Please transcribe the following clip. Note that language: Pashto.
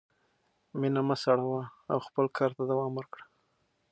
مینه مه سړوه او خپل کار ته دوام ورکړه.